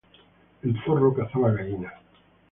El zorro cazaba gallinas